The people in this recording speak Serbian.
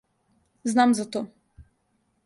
Знам за то.